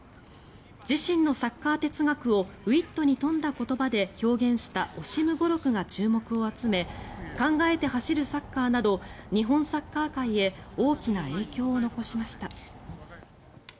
自身のサッカー哲学をウィットに富んだ言葉で表現したオシム語録が注目を集め考えて走るサッカーなど日本サッカー界へ大きな影響を残しました。